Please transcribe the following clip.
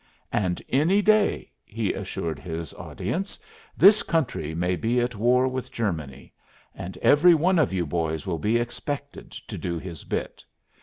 "And any day," he assured his audience, "this country may be at war with Germany; and every one of you boys will be expected to do his bit.